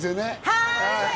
はい！